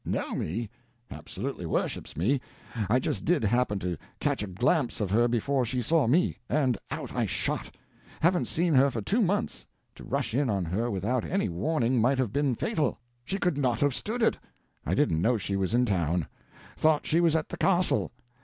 "Know me? Absolutely worships me. I just did happen to catch a glimpse of her before she saw me and out I shot. Haven't seen her for two months to rush in on her without any warning might have been fatal. She could not have stood it. I didn't know she was in town thought she was at the castle.